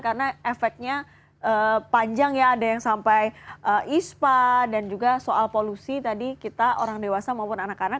karena efeknya panjang ya ada yang sampai ispa dan juga soal polusi tadi kita orang dewasa maupun anak anak